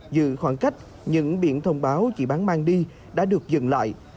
dự khoảng cách những biện thông báo chỉ bán mang đi đã được dừng lại